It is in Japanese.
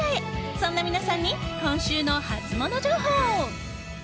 そんな皆さんに今週のハツモノ情報。